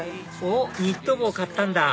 おっニット帽買ったんだ！